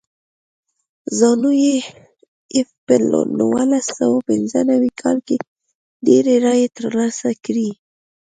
زانو پي ایف په نولس سوه پنځه نوي کال کې ډېرې رایې ترلاسه کړې.